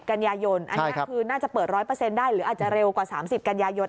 กันยายนอันนี้คือน่าจะเปิด๑๐๐ได้หรืออาจจะเร็วกว่า๓๐กันยายน